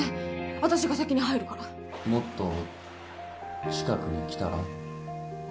私が先に入るからもっと近くに来たら？